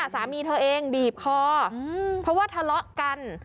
สามีเธอเองบีบคอเพราะว่าทะเลาะกัน